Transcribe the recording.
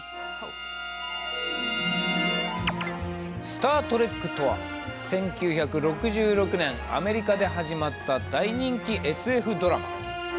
「スター・トレック」とは１９６６年アメリカで始まった大人気ＳＦドラマ。